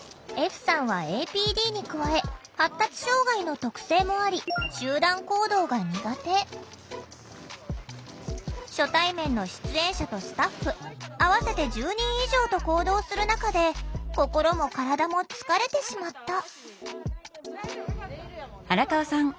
歩さんはＡＰＤに加え発達障害の特性もあり初対面の出演者とスタッフ合わせて１０人以上と行動する中で心も体も疲れてしまった。